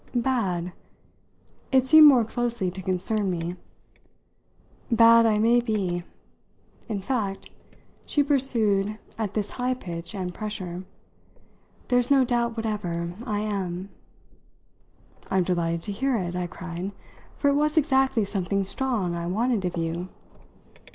"'Bad'?" It seemed more closely to concern me. "Bad I may be. In fact," she pursued at this high pitch and pressure, "there's no doubt whatever I am." "I'm delighted to hear it," I cried, "for it was exactly something strong I wanted of you!"